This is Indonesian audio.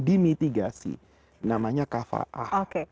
dimitigasi namanya kafaah oke